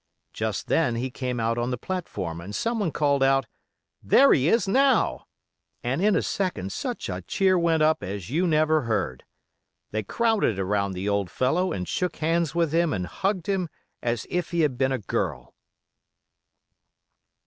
Just then he came out on the platform, and someone called out: 'There he is, now!' and in a second such a cheer went up as you never heard. They crowded around the old fellow and shook hands with him and hugged him as if he had been a girl."